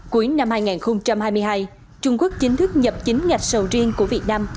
cuối năm hai nghìn hai mươi hai trung quốc chính thức nhập chính ngạch sầu riêng của việt nam